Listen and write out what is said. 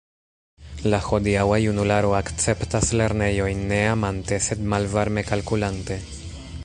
La hodiaŭa junularo akceptas lernejojn ne amante, sed malvarme kalkulante.